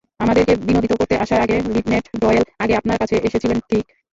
আমাদেরকে বিনোদিত করতে আসার আগে লিনেট ডয়েল আগে আপনার কাছে এসেছিলেন, ঠিক?